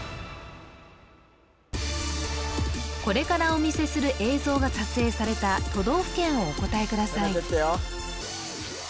これからお見せする映像が撮影された都道府県をお答えください